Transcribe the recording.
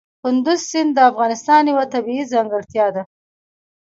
کندز سیند د افغانستان یوه طبیعي ځانګړتیا ده.